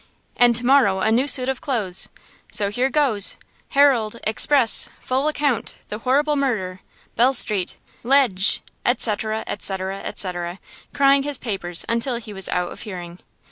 And to morrow a new suit of clothes! So here goes–Herald! Express!–full account–the horrible murder–Bell Street–Ledgee ee ee," etc., etc., etc., crying his papers until he was out of hearing.